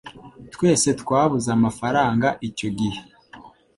Twese twabuze amafaranga icyo gihe.